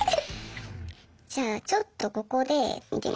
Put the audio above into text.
じゃあちょっとここで見てみましょっか。